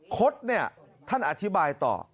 คดเนี่ยท่านอธิบายต่อ